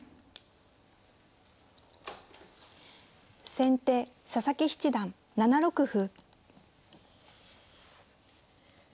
先手佐々木七段７六歩。